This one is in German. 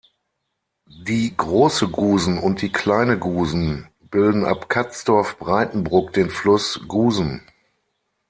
Die Große Gusen und die Kleine Gusen bilden ab Katsdorf-Breitenbruck den Fluss Gusen.